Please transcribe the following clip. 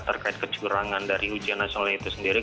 terkait kecurangan dari ujian nasional itu sendiri